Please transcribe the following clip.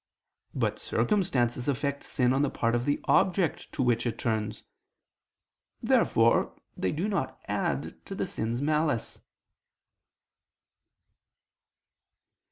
But circumstances affect sin on the part of the object to which it turns. Therefore they do not add to the sin's malice.